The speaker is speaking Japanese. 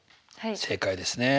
正解ですね。